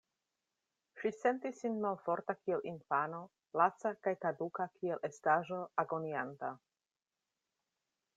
Ŝi sentis sin malforta kiel infano, laca kaj kaduka kiel estaĵo agonianta.